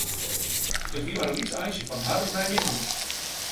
It wie mar in lyts eintsje fan harren nei myn tún.